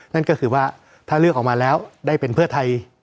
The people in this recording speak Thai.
นั่นก็คือว่าถ้าเลือกออกมาแล้วได้เป็นเพื่อไทย